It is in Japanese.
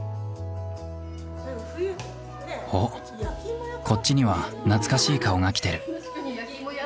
おっこっちには懐かしい顔が来てる。